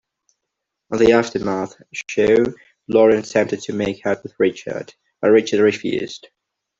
On the aftermath show, Lauren attempted to make out with Richard, but Richard refused.